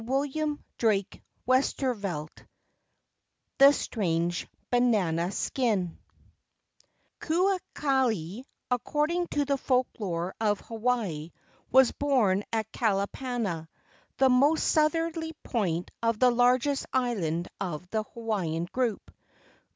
66 LEGENDS OF GHOSTS IX THE STRANGE BANANA SKIN UKALI, according to the folk lore of Hawaii, was born at Kalapana, the most southerly point of the largest island of the Hawaiian group.